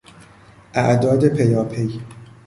اعداد پیاپی